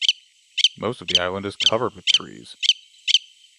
Most of the island is covered with trees.